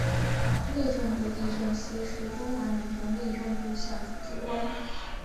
内政部地政司是中华民国内政部下属机关。